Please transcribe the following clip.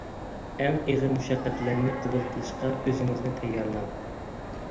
ئەڭ ئېغىر مۇشەققەتلەرنى قوبۇل قىلىشقا ئۆزىڭىزنى تەييارلاڭ.